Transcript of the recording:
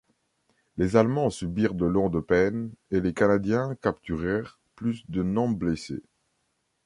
Les Allemands subirent de lourdes pertes, et les Canadiens capturèrent plus de non blessés.